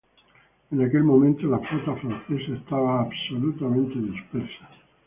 En aquel momento la flota Francesa estaba absolutamente dispersa.